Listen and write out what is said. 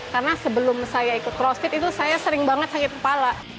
karena sebelum saya ikut crossfit itu saya sering banget sakit kepala